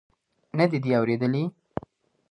نه دې دي اورېدلي.